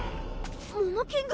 モモキング！？